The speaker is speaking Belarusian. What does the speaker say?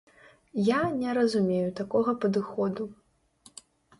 Я не разумею такога падыходу.